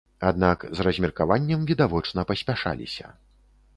Аднак з размеркаваннем відавочна паспяшаліся.